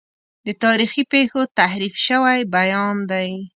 د تاریخي پیښو تحریف شوی بیان دی.